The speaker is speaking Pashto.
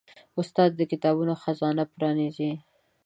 استاد د کتابونو خزانه پرانیزي.